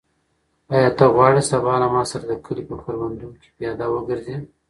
آیا ته غواړې سبا له ما سره د کلي په کروندو کې پیاده وګرځې؟